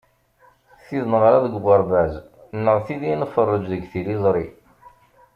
Tid neɣra deg uɣerbaz, neɣ tid i nferreǧ deg tiliẓri.